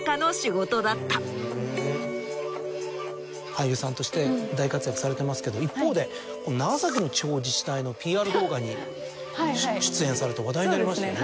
俳優さんとして大活躍されてますけど一方で長崎の地方自治体のＰＲ動画に出演されて話題になりましたよね。